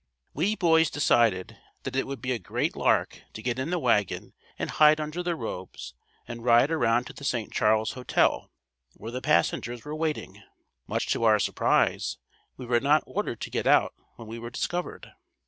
We boys decided that it would be a great lark to get in the wagon and hide under the robes and ride around to the St. Charles Hotel, where the passengers were waiting. Much to our surprise, we were not ordered to get out when we were discovered.